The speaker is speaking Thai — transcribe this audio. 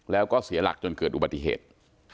แล้วก็เสียหลักจนเกิดอุบัติเหตุ